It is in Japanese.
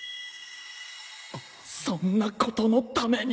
そんなことのために。